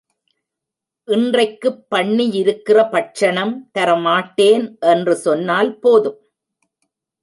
இன்றைக்குப் பண்ணியிருக்கிற பட்சணம் தர மாட்டேன் என்று சொன்னால் போதும்.